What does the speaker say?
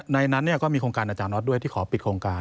ในนั้นก็มีโครงการอาจารย์น็อตด้วยที่ขอปิดโครงการ